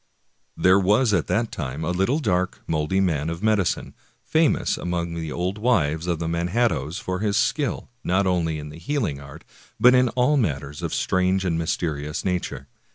There was at that time a little dark, moldy man of medicine, famous among the old wives of the Manhattoes for his skill, not only in the healing art, but in all matters of strange and mysterious nature.